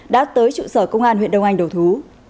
đã tới trụ sở công an huyện đông anh đầu thú